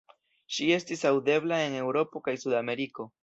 Ŝi estis aŭdebla en Eŭropo kaj Sud-Ameriko.